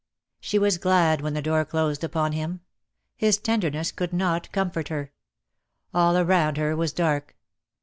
She was glad when the door closed upon him. His tenderness could not comfort her. All around her was dark.